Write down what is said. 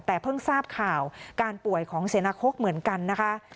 แต่เพิ่งทราบข่าวการป่วยของเสนาคกเหมือนกันนะคะ